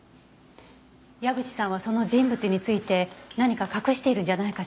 矢口さんはその人物について何か隠しているんじゃないかしら。